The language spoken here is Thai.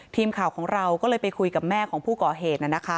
ทีมข่าวของเราก็เลยไปคุยกับแม่ของผู้ก่อเหตุ